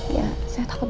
ya saya takut